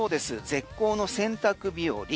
絶好の洗濯日和。